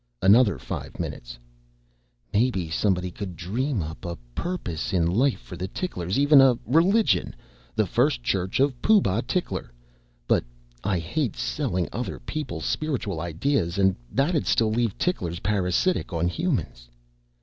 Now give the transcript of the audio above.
Another five minutes: "Maybe somebody could dream up a purpose in life for ticklers. Even a religion the First Church of Pooh Bah Tickler. But I hate selling other people spiritual ideas and that'd still leave ticklers parasitic on humans...."